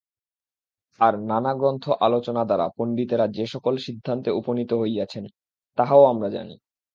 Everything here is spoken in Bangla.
আর নানা গ্রন্থ আলোচনা দ্বারা পণ্ডিতেরা যে-সকল সিদ্ধান্তে উপনীত হইয়াছেন, তাহাও আমরা জানি।